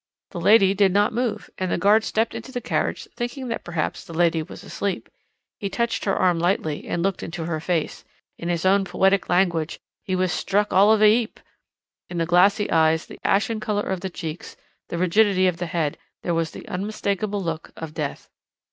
"The lady did not move, and the guard stepped into the carriage, thinking that perhaps the lady was asleep. He touched her arm lightly and looked into her face. In his own poetic language, he was 'struck all of a 'eap.' In the glassy eyes, the ashen colour of the cheeks, the rigidity of the head, there was the unmistakable look of death.